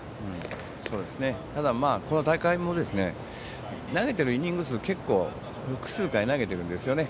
ただ、この大会も投げているイニング数は、複数回投げているんですよね。